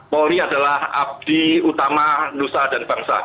polri adalah abdi utama nusa dan bangsa